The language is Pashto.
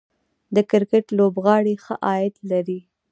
د کرکټ لوبغاړي ښه عاید لري